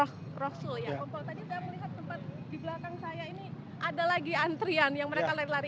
kompol tadi sudah melihat tempat di belakang saya ini ada lagi antrian yang mereka lari lari